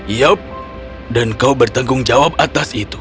yup dan kau bertanggung jawab atas itu